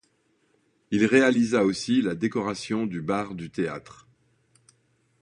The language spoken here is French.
Il réalisa aussi la décoration du bar du théâtre.